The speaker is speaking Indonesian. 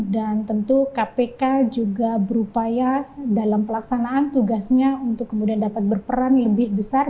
dan tentu kpk juga berupaya dalam pelaksanaan tugasnya untuk kemudian dapat berperan lebih besar